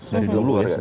dari dulu ya